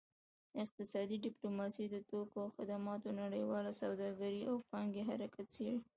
اقتصادي ډیپلوماسي د توکو او خدماتو نړیواله سوداګرۍ او پانګې حرکت څیړي